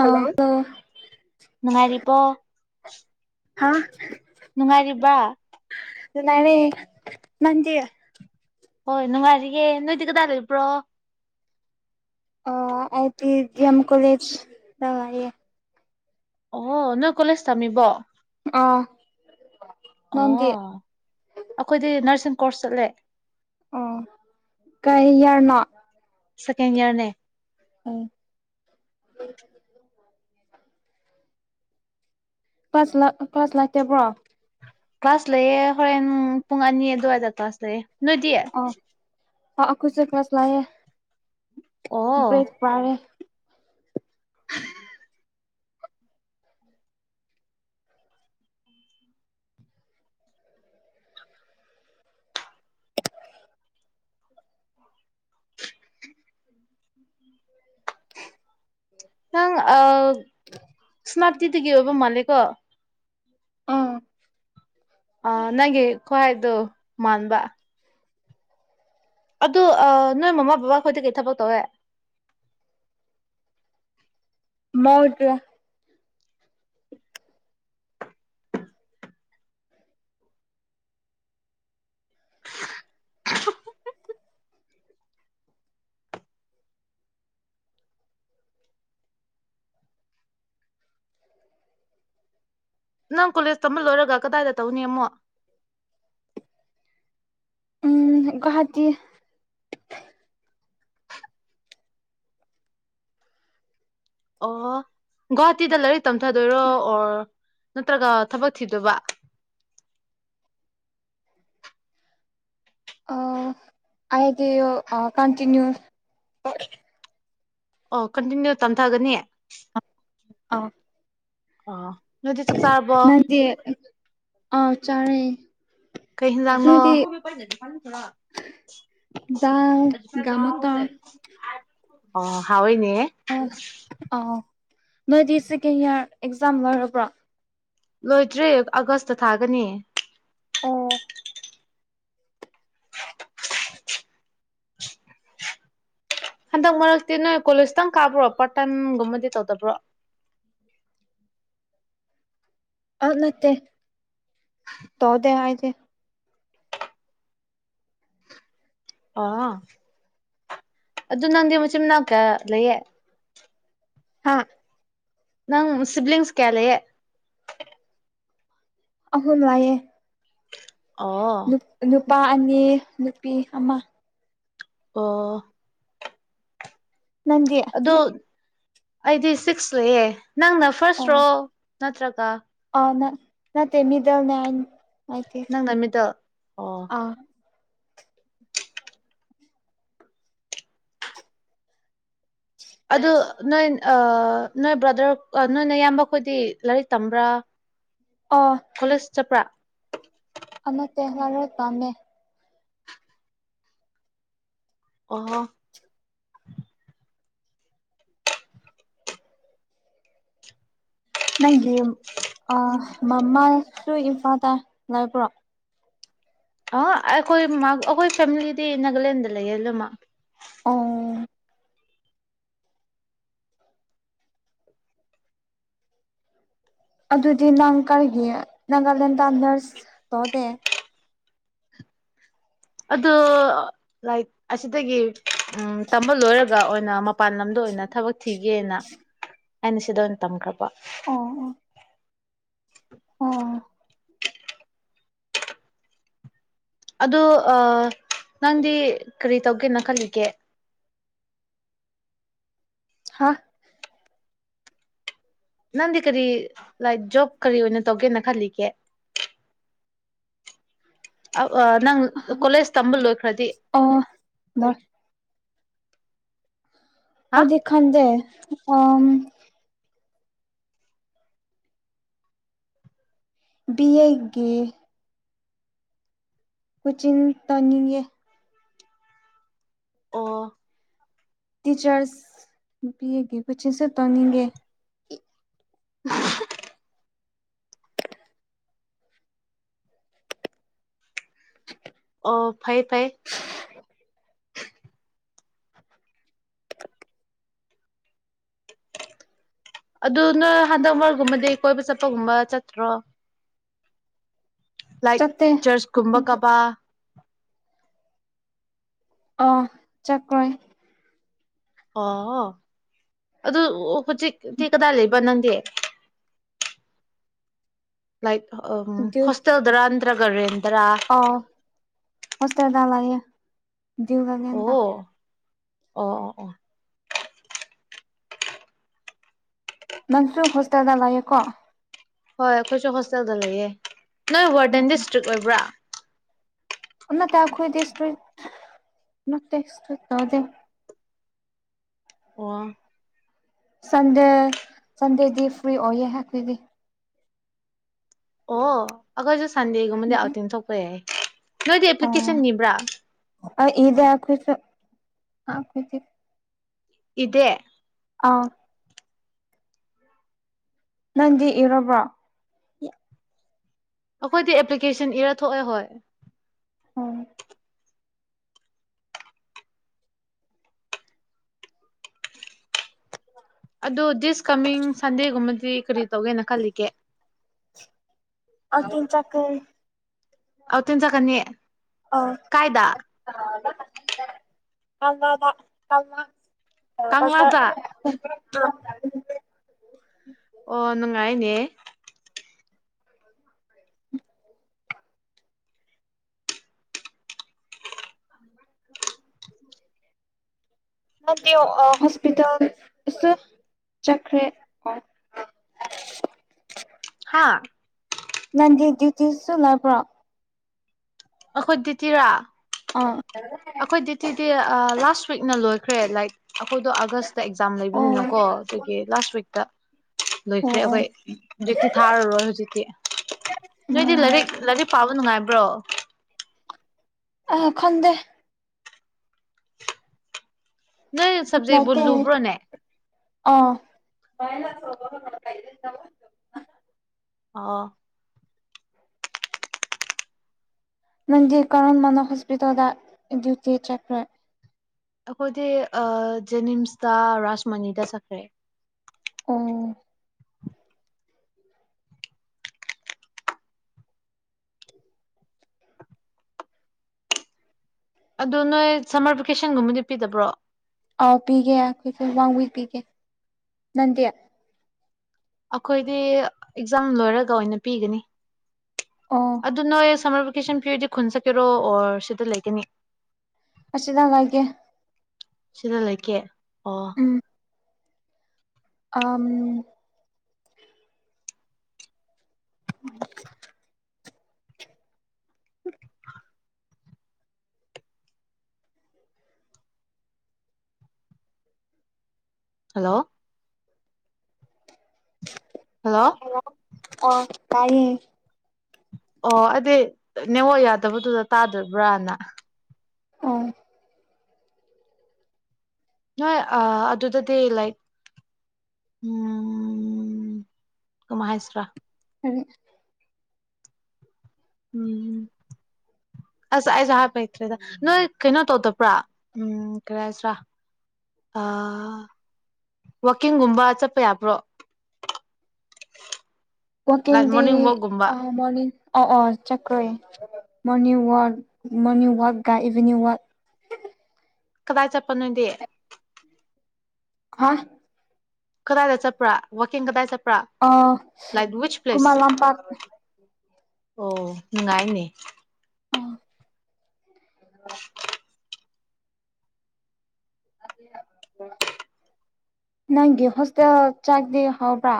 ꯑ [inaudible] ꯅꯨꯡꯉꯥꯏꯔꯤꯕꯣ ꯍꯥ ꯅꯨꯡꯉꯥꯏꯔꯤꯕ ꯅꯨꯡꯉꯥꯢꯔꯤ ꯅꯪꯗꯤ ꯍꯣꯏ ꯅꯨꯡꯉꯥꯏꯔꯤꯌꯦ ꯅꯣꯏꯗꯤ ꯀꯗꯥ ꯂꯩꯕ꯭ꯔꯣ ꯑꯣ ꯑꯩꯗꯤ ꯗꯤ ꯑꯦꯝ ꯀꯣꯂꯦꯖ ꯇ ꯂꯩꯌꯦ ꯑꯣꯍꯣ ꯅꯪ ꯀꯣꯂꯦꯖ ꯇꯝꯃꯤꯕꯣ ꯑꯥ ꯑꯣ ꯑꯩꯈꯣꯏꯗꯤ ꯅꯔꯁꯤꯡ ꯀꯣꯔꯁ ꯆꯠꯂꯦ ꯑꯣ ꯀꯩꯌꯥꯔꯅꯣ ꯁꯀꯦꯟ ꯌꯥꯔꯅꯦ ꯎꯝ ꯀ꯭ꯂꯥꯁ ꯀ꯭ꯂꯥꯁ ꯂꯥꯛꯇꯦꯕ꯭ꯔꯣ ꯀ꯭ꯂꯥꯁ ꯂꯩꯑꯦ ꯍꯣꯔꯦꯟ ꯄꯨꯡ ꯑꯅꯤ ꯑꯗꯨꯋꯥꯏꯗ ꯀ꯭ꯂꯥꯁ ꯂꯩꯌꯦ ꯅꯣꯏꯗꯤ ꯑꯣ ꯑꯈꯣꯏꯁ ꯀ꯭ꯂꯥꯁ ꯂꯥꯏꯑꯦ ꯑꯣ ꯭ꯔꯦꯠ ꯄꯔꯦ [unintelligible] [unintelligible] [unintelligible] ꯅꯪ ꯁꯅꯞꯇꯤꯗꯗꯒꯤ ꯑꯣꯏꯕꯣ ꯃꯥꯀꯣ ꯑꯥ ꯑ ꯅꯪꯒꯤ ꯈ꯭ꯋꯥꯥꯏ ꯑꯗꯨꯣ ꯃꯥꯟꯕ ꯑ ꯅꯣꯏ ꯃꯃꯥ ꯕꯕꯥ ꯈꯣꯏꯗ ꯀꯩ ꯊꯕꯛ ꯇꯧꯋꯦ [unintelligible] ꯅꯪ ꯀꯣꯂꯦꯖ ꯇꯝꯕ ꯂꯣꯏꯔꯒ ꯀꯗꯥꯏꯗ ꯇꯧꯅꯤ ꯑꯃꯨ [unintelligible] ꯎꯝ ꯒꯋꯥꯍꯥꯇꯤ ꯑꯣ ꯒꯣꯍꯥꯇꯤꯗ ꯂꯥꯏꯔꯤꯛ ꯇꯝꯊꯗꯣꯏꯔꯣ ꯑꯣꯔ ꯅꯠꯇ꯭ꯔꯒ ꯊꯕꯛ ꯊꯤꯗꯕ ꯑ ꯑꯩꯗꯤ ꯀꯟꯇꯤꯅ꯭ꯌꯨ ꯑꯣ ꯀꯟꯇꯤꯅ꯭ꯌꯨ ꯇꯝꯊꯒꯅꯤ ꯑꯥ ꯑꯥ ꯅꯗꯤ ꯑꯥꯎ ꯆꯥꯔꯦ ꯀꯩ ꯂꯅ ꯅꯣꯏꯗꯤ ꯗꯥ ꯃ ꯇꯥ ꯑꯣ ꯍꯥꯎꯅꯦ ꯑꯣ ꯑꯥꯎ ꯅꯣꯏꯗꯤ ꯁꯦꯀꯦꯟ ꯏꯌꯥꯔ ꯑꯦꯛꯖꯥꯝ ꯂꯣꯏꯔꯕ꯭ꯔꯣ ꯂꯣꯏꯗ꯭ꯔꯦ ꯑꯥꯒꯁꯇ ꯊꯥꯒꯅꯤ ꯑꯣ ꯍꯟꯗꯛ ꯃꯔꯛꯇꯤ ꯅꯣꯏ ꯀꯣꯂꯦꯖꯇꯪ ꯀꯥꯕ꯭ꯔꯣ ꯄꯥꯔꯠ ꯇꯥꯏꯝꯒꯨꯝꯕꯗꯤ ꯇꯧꯗꯕ꯭ꯔꯣ ꯑ ꯃꯠꯇꯦ ꯇꯣꯗꯦ ꯍꯥꯏ ꯑ ꯑꯗꯨ ꯅꯪꯗꯤ ꯃꯆꯤꯟ ꯃꯅꯥꯎ ꯀꯌꯥ ꯂꯩꯌꯦ ꯍꯥꯥ ꯅꯪ ꯁꯤꯞꯂꯤꯡꯁ ꯀꯦꯂꯦ ꯑꯍꯨꯝ ꯂꯥꯏꯌꯦ ꯑꯣ ꯅꯨꯄꯥ ꯑꯅꯤ ꯅꯨꯄꯤ ꯑꯃ ꯑꯣ ꯅꯪꯗꯤ ꯑꯗꯨ ꯑꯩꯗꯤ ꯁꯤꯛꯁ ꯂꯑꯦ ꯅꯪꯅ ꯐꯥꯔꯁ꯭ꯔꯣ ꯑꯣ ꯅꯠꯇ꯭ꯔꯒ ꯑ ꯅ ꯅ ꯇꯃꯤꯗ ꯅ ꯅꯪ ꯅꯨꯃꯤꯠꯇ ꯑꯣ ꯑꯥ ꯑꯗꯨ ꯅꯣꯏ ꯅꯣꯏ ꯕ꯭ꯔꯗꯔ ꯅꯣꯏꯅ ꯏꯌꯥꯝꯕꯈꯣꯏꯗꯤ ꯂꯥꯏꯔꯤꯛ ꯇꯝꯕ꯭ꯔꯥ ꯑꯣꯐ ꯀꯣꯂꯦꯖ ꯆꯠꯄ꯭ꯔꯥ ꯑꯃ ꯇꯦꯍꯔ ꯄꯥꯝꯃꯦ ꯑꯣꯣ ꯅꯪꯒꯤ ꯃꯃꯥꯁꯨ ꯏꯝꯐꯥꯜꯗ ꯂꯥꯏ ꯄꯨꯔꯣ ꯑ ꯑꯩꯈꯣꯏ ꯑꯩꯈꯣꯏ ꯐꯦꯃꯤꯂꯤꯗꯤ ꯅꯥꯒꯥꯂꯦꯟꯗ ꯂꯩꯌꯦ ꯑꯗꯨꯃꯛ ꯑꯣ ꯑꯗꯨꯗꯤ ꯅꯪ ꯀꯔꯤꯒꯤ ꯅꯥꯒꯥꯂꯦꯟꯗ ꯅꯔꯁ ꯇꯧꯅꯦꯦ ꯑꯗ ꯂꯥꯏꯛ ꯑꯁꯤꯗꯒꯤ ꯎꯝ ꯇꯝꯕ ꯂꯣꯏꯔꯒ ꯑꯣꯏꯅ ꯃꯄꯥꯟ ꯂꯝꯗ ꯑꯣꯏꯅ ꯊꯕꯛ ꯊꯤꯒꯦꯅ ꯑꯩꯅ ꯁꯤꯗ ꯑꯣꯏꯅ ꯇꯝꯈ꯭ꯔꯕ ꯑꯣꯥ ꯑꯗꯣ ꯅꯪꯗꯤ ꯀꯔꯤ ꯇꯧꯒꯦꯅ ꯈꯜꯂꯤꯒꯦ ꯍꯥꯥꯛ ꯅꯪꯗꯤ ꯀꯔꯤ ꯂꯥꯏꯛ ꯖꯣꯕ ꯀꯔꯤ ꯑꯣꯏꯅ ꯇꯧꯒꯦꯅ ꯈꯜꯂꯤꯒꯦ ꯅꯪ ꯀꯣꯂꯦꯖ ꯇꯝꯕ ꯂꯣꯏꯈ꯭ꯔꯗꯤ ꯑ ꯂ ꯍꯥ ꯑꯗꯤ ꯈꯪꯗꯦ ꯑ ꯕꯤ ꯑꯒꯤꯦ ꯀꯣꯏꯆꯤꯟ ꯇꯥꯅꯤꯡꯉꯦ ꯑꯣ ꯇꯤꯆꯔꯁ ꯅꯨꯄꯤꯤ ꯑꯦꯒꯤ ꯀꯣꯏꯆꯤꯡꯁꯨ ꯇꯧꯅꯤꯡꯉꯦ [unintelligible] ꯑꯣ ꯐꯩ ꯐꯥꯏ ꯑꯗꯨ ꯅꯣꯏ ꯍꯟꯗꯛ ꯃꯔꯒꯨꯝꯕꯗꯤ ꯀꯣꯏꯕ ꯆꯠꯄꯒꯨꯝꯕ ꯆꯠꯇ꯭ꯔꯣ ꯂꯥꯏꯛ ꯆꯠꯇꯦ ꯆꯔꯆꯀꯨꯝꯕ ꯀꯕ ꯑ ꯆꯀ꯭ꯔꯣꯏ ꯑꯣ ꯑꯗꯨ ꯍꯧꯖꯤꯛꯛꯇꯤ ꯀꯗꯥꯏ ꯂꯩꯕ ꯅꯪꯗꯤ ꯂꯥꯏꯛ ꯎ ꯑꯗꯨ ꯍꯣꯁꯇꯦꯜꯗꯔ ꯅꯠꯇ꯭ꯔꯒ ꯔꯦꯟꯗꯔꯥ ꯑꯣ ꯍꯁ ꯇꯔꯗ ꯂꯑꯦ ꯑꯣ ꯑꯣ ꯑꯣ ꯑꯣ ꯅꯟꯁꯨ ꯍꯣꯁꯇꯦꯜꯗ ꯂꯌꯦꯦꯀꯣ ꯍꯣꯏ ꯑꯩꯈꯣꯏꯁꯨ ꯍꯣꯁꯇꯦꯜꯗ ꯂꯩꯌꯦ ꯅꯣꯏ ꯔꯗꯦꯟ ꯗꯤꯁꯇ꯭ꯔꯤꯛ ꯑꯣꯏꯕ꯭ꯔꯥ ꯎꯠꯇ ꯑꯈꯣꯏꯣꯏꯗꯤꯦꯣ ꯅꯠꯇꯁ ꯇꯗ ꯑꯣ ꯁꯟꯗꯦ ꯁꯟꯗꯦꯗꯤ ꯐ꯭ꯔꯤ ꯑꯣꯏꯌꯦꯦ ꯍꯥꯏꯈꯣꯏꯒꯤ ꯑꯣ ꯑꯩꯈꯣꯏꯁꯨ ꯁꯟꯗꯦꯒꯨꯝꯕꯗꯤ ꯑꯥꯎꯇꯤꯟ ꯊꯣꯛꯄ ꯌꯥꯏ ꯅꯣꯏꯗꯤ ꯑꯣ ꯑꯦꯄ꯭ꯂꯤꯀꯦꯁꯟ ꯅꯤꯕ꯭ꯔꯥ [unintelligible] ꯏꯗꯦ ꯑꯥ ꯅꯪꯗꯤ ꯏꯔꯕꯣ ꯑꯩꯈꯣꯏꯗꯤ ꯑꯦꯄ꯭ꯂꯤꯀꯦꯁꯟ ꯏꯔ ꯊꯣꯛꯑꯦꯍꯣꯏ ꯑ [inaudible] ꯑꯗꯣ ꯗꯤꯁ ꯀꯃꯤꯡ ꯁꯟꯗꯦꯒꯨꯝꯕꯗꯤ ꯀꯔꯤ ꯇꯧꯒꯦꯅ ꯈꯜꯂꯤꯒꯦ ꯑ ꯇꯤꯟ ꯆꯀꯔ ꯑꯥꯎ ꯇꯤꯟꯖꯥꯛꯀꯅꯤ ꯑꯥ ꯀꯥꯏꯗ [unintelligible] ꯀꯪꯂꯥꯗ [unintelligible] ꯑꯣ ꯅꯨꯡꯉꯥꯏꯅꯦ [inaudible] [inaudible] [unintelligible] ꯍꯣꯁꯄꯤꯇꯥꯜꯁ ꯆꯠꯈ꯭ꯔꯦ ꯀ ꯍꯥꯥ ꯅꯇꯁꯨꯣ ꯅ ꯄꯨ꯭ꯔꯣ ꯑꯩꯈꯣꯏ ꯗꯤꯇꯤꯔꯥ ꯑꯥ ꯑꯩꯈꯣꯏ ꯗꯤꯇꯤꯗꯤ ꯂꯥꯁ ꯋꯤꯛꯅ ꯂꯣꯏꯈ꯭ꯔꯦ ꯂꯥꯏꯛ ꯑꯩꯈꯣꯏꯗꯣ ꯑꯥꯒꯁ ꯑꯦꯛꯖꯥꯝ ꯑꯣ ꯂꯩꯕꯅꯤꯅꯀꯣ ꯑꯗꯨꯒꯤ ꯂꯥꯁ ꯋꯤꯛꯇ ꯑꯣ ꯂꯣꯏꯈ꯭ꯔꯦ ꯑꯣ ꯑꯩꯈꯣꯏ ꯍꯧꯖꯤꯛꯇꯤ ꯊꯥꯔꯔꯣꯏ ꯍꯧꯖꯤꯛꯇꯤ ꯅꯣꯏꯗꯤ ꯂꯥꯏꯔꯤꯛ ꯂꯥꯏꯔꯤꯛ ꯄꯥꯕ ꯅꯨꯡꯉꯥꯏꯕ꯭ꯔꯣ ꯑ ꯈꯟꯗꯦ ꯅꯣꯏ ꯁꯕꯖꯦꯛꯕꯨ ꯃꯠꯇꯦ ꯂꯨꯕ꯭ꯔꯣꯅꯦ ꯑꯥ [unintelligible] ꯑꯣ ꯅꯪꯗꯤ ꯀꯔꯝꯕꯅꯣ ꯍꯣꯁꯄꯤꯇꯥꯜꯗ ꯗ꯭ꯌꯨꯇꯤ ꯆꯠꯈ꯭ꯔꯣꯏ ꯑꯩꯈꯣꯏꯗꯤ ꯖꯦꯅꯤꯝꯁꯇ ꯔꯥꯥꯁꯃꯅꯤꯗ ꯆꯠꯈ꯭ꯔꯦ ꯎꯝ ꯑꯗꯣ ꯅꯣꯏ ꯁꯝꯃꯔ ꯚꯦꯀꯦꯁꯟꯒꯨꯝꯕꯗꯤ ꯄꯤꯗꯕ꯭ꯔꯣ ꯑꯥꯎ ꯄꯤꯒꯦ ꯑꯩꯈꯣꯏꯁꯨꯦ ꯋꯥꯡꯋꯤ ꯄꯤꯒꯦ ꯅꯟꯗꯦ ꯑꯩꯈꯣꯏꯗꯤ ꯑꯦꯛꯖꯥꯝ ꯂꯣꯏꯔꯒ ꯑꯣꯏꯅ ꯄꯤꯒꯅꯤ ꯑꯣ ꯑꯗꯨ ꯅꯣꯏ ꯁꯝꯃꯔ ꯀꯦꯁꯟ ꯄꯤꯌꯔꯗꯤ ꯈꯨꯟ ꯆꯠꯀꯦꯔꯣ ꯑꯣꯔ ꯁꯤꯗ ꯂꯩꯒꯅꯤ ꯑꯁꯤꯗ ꯉꯥꯏꯒꯦ ꯁꯤꯗ ꯂꯩꯀꯦ ꯑꯣ ꯎꯝ ꯑꯝ [unintelligible] ꯍꯜꯂꯣ ꯍꯜꯂꯣ ꯑꯣ ꯍꯂꯣ ꯑ ꯇꯥꯏꯌꯦ ꯑꯣ ꯑꯗꯨꯗꯤ ꯅꯦꯠꯋꯥꯛ ꯌꯥꯗꯕꯗꯨꯗ ꯇꯥꯗꯕ꯭ꯔꯥꯅ ꯑꯣ ꯅꯣꯏ ꯑ ꯑꯗꯨꯗꯗꯤ ꯂꯥꯏꯛ ꯎꯝ ꯀꯃꯥꯏ ꯍꯦꯁ꯭ꯔꯥ ꯎꯝ ꯎꯝ ꯑꯁ ꯑꯩꯁꯦ ꯍꯥꯏꯄ ꯍꯇ꯭ꯔꯦꯗ ꯅꯣꯏ ꯀꯩꯅꯣ ꯇꯧꯗꯕ꯭ꯔꯥ ꯎꯝ ꯀꯔꯤ ꯍꯥꯏꯁꯤꯔꯥ ꯑ ꯋꯥꯋꯀꯤꯡꯒꯨꯝꯕ ꯆꯠꯄ ꯌꯥꯕ꯭ꯔꯣ [inaudible] ꯑꯣ ꯀꯗꯤ ꯃꯣꯔꯅꯤꯡ ꯋꯥꯛꯀꯨꯝꯕ ꯑ ꯃꯣꯔꯅꯤꯡ ꯑ ꯑꯥ ꯆꯀ꯭ꯔꯦ ꯃꯣꯔꯅꯤꯡ ꯋꯥꯛ ꯃꯣꯔꯅꯤꯡ ꯋꯥꯛꯀ ꯏꯚꯤꯅꯤꯡ ꯋꯥꯛ ꯀꯗꯥꯏ ꯆꯠꯄ ꯅꯣꯏꯗꯤ ꯍꯥ ꯀꯗꯥꯏꯗ ꯆꯠꯄ꯭ꯔꯥ ꯋꯥꯀꯤꯡ ꯀꯗꯥꯏ ꯆꯠꯄ꯭ꯔꯥ ꯑ ꯂꯥꯏꯛ ꯋꯤꯆ ꯀꯨꯃꯥ ꯂꯝ ꯄ꯭ꯂꯦꯁ ꯂꯝ ꯄꯥꯛ ꯑꯣ ꯅꯨꯡꯉꯥꯏꯅꯦ ꯑ ꯅꯪꯒꯤ ꯍꯣꯁꯇꯦꯜꯦꯜ ꯆꯥꯒꯗꯤ ꯍꯥꯎꯕ꯭ꯔꯥ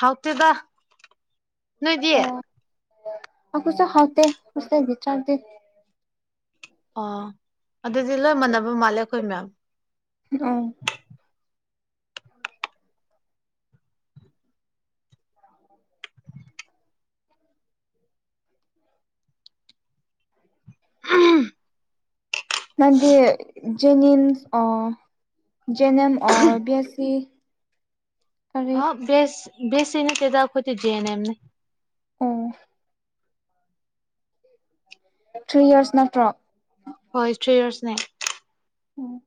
ꯍꯥꯎꯇꯦꯗ ꯅꯣꯏꯗꯤ ꯑꯣ ꯀꯁ ꯍꯥꯎꯗꯦ ꯀꯁ ꯆꯔꯗ ꯑꯣ ꯑꯗꯨꯗꯤ ꯂꯣꯏ ꯃꯥꯟꯅꯕ ꯃꯥꯜꯂꯦ ꯑꯩꯈꯣꯏ ꯃꯌꯥꯝ ꯎꯝ [inaudible] [inaudible] [unintelligible] ꯅꯪ ꯗꯤ ꯖꯦꯅꯤꯝꯁ ꯑꯣ ꯖꯦꯅꯤꯦꯝ ꯑꯣ ꯕꯤ ꯑꯦꯁ ꯁꯤ ꯀꯔꯤ ꯍꯥꯎ ꯦꯁ ꯦꯁꯤ ꯅ ꯇꯗ ꯈꯣꯏꯗꯤꯖꯦꯅꯦ ꯑꯦꯝꯅꯦ ꯑꯣ ꯊ꯭ꯔꯤ ꯌꯔꯁ ꯅꯠꯇ꯭ꯔꯣ ꯍꯣꯏ ꯊ꯭ꯔꯤ ꯏꯔꯁꯅꯦ ꯎꯝ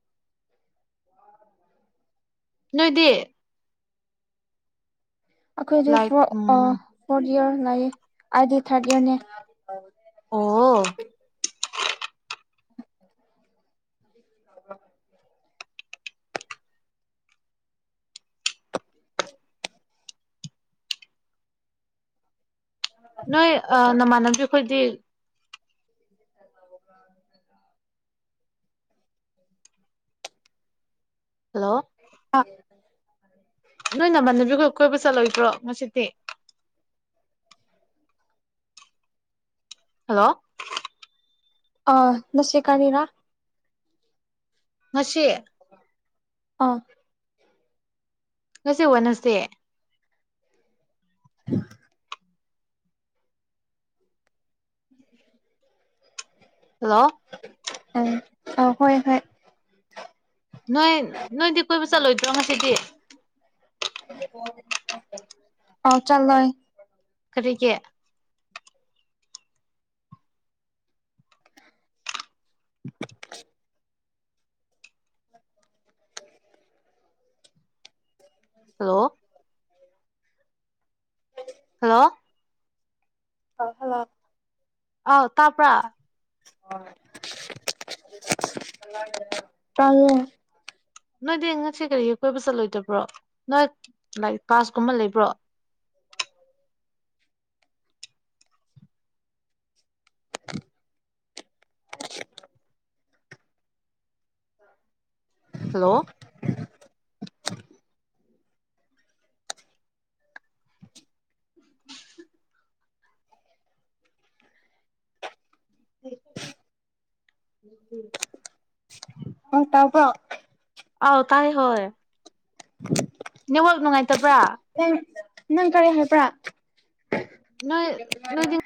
ꯅꯣꯏꯗꯤ ꯑꯩꯈꯣꯏꯗꯤ ꯂꯥꯏꯛ ꯎꯝ ꯐꯣꯔꯠ ꯏꯌꯥꯔ ꯂꯥꯛꯑꯦ ꯑꯩꯗꯤ ꯊꯥꯔꯠ ꯏꯌꯥꯔꯅꯦ ꯑꯣ [inaudible] ꯅꯣꯏ ꯅꯃꯥꯟꯅꯕꯗꯤ ꯈꯣꯏꯗꯤ [inaudible] ꯍꯜꯂꯣ ꯑ ꯅꯣꯏ ꯅꯃꯥꯟꯅꯕꯤꯈꯣꯏ ꯀꯣꯏꯕ ꯆꯠꯂꯣꯏꯗ꯭ꯔꯣ ꯉꯁꯤꯗꯤ ꯍꯜꯂꯣ ꯑ ꯅꯁꯤ ꯀꯥꯔꯤꯔꯥ ꯉꯁꯤ ꯑꯥ ꯉꯁ ꯑꯣꯠꯟꯅꯁꯦ [inaudible] ꯍꯜꯂꯣ ꯎꯝ ꯑ ꯍꯣꯏ ꯍꯣꯏ ꯅꯣꯏ ꯅꯣꯏꯗꯤ ꯀꯣꯏꯕ ꯆꯠꯂꯣꯏꯗ꯭ꯔꯣ ꯉꯁꯤꯗꯤ ꯑ ꯆꯂꯣꯏ ꯀꯔꯤꯒꯤ [inaudible] ꯍꯜꯂꯣ ꯍꯜꯂꯣ ꯑꯥꯎ ꯍꯜꯂꯣ ꯑ ꯇꯥꯄꯔꯥ ꯇꯜꯂꯦ ꯅꯣꯏꯗꯤ ꯉꯁꯦ ꯀꯔꯤꯒꯤ ꯀꯣꯏꯕ ꯆꯠꯂꯣꯏꯗꯕ꯭ꯔꯣ ꯅꯣꯏ ꯂꯥꯏꯛ ꯀꯥꯁꯀꯨꯝꯕ ꯂꯩꯕ꯭ꯔꯣ ꯍꯜꯂꯣ [unintelligible] ꯑꯣ ꯇꯥꯄ ꯑꯥꯎ ꯇꯥꯏ ꯍꯣꯏ [inaudible] ꯅꯦꯋꯥꯛ ꯅꯨꯡꯉꯥꯏꯇꯕ꯭ꯔꯥ ꯅꯪ ꯅꯪ ꯀꯔꯤ ꯍꯥꯏꯕ꯭ꯔꯥ ꯅꯣꯏ ꯅꯣꯏꯗꯤ